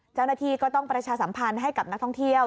เจ้าหน้าที่ก็ต้องประชาสัมพันธ์ให้กับนักท่องเที่ยว